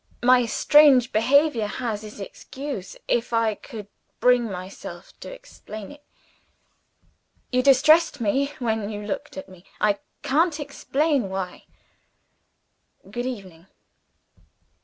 My strange behavior has its excuse if I could bring myself to explain it. You distressed me, when you looked at me. I can't explain why. Good evening."